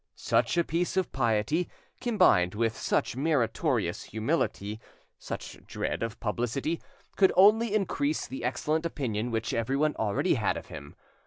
Such a piece of piety, combined with such meritorious humility, such dread of publicity, could only increase the excellent opinion which everyone already had of him.